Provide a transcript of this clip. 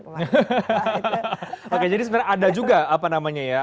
oke jadi sebenarnya ada juga apa namanya ya